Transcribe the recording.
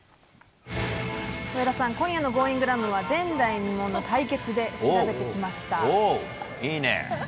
上田さん、今夜のＧｏｉｎｇｒａｍは前代未聞の対決で調べてきました。